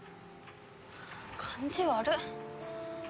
感じ悪っ。